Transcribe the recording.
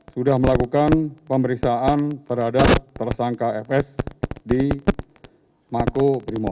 sudah melakukan pemeriksaan terhadap tersangka fs di mako brimo